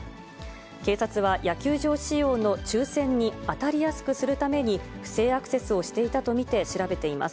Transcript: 警察は野球場使用の抽せんに当たりやすくするために、不正アクセスをしていたと見て調べています。